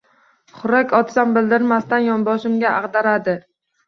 Xurrak otsam, bildirmasdan yonboshimga ag'daradi